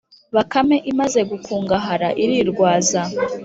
Bakame imaze gukungahara irirwaza